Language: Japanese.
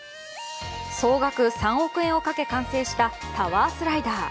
総額３億円をかけ完成したタワースライダー。